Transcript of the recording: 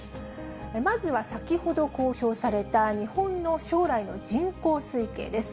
まずは先ほど、公表された日本の将来の人口推計です。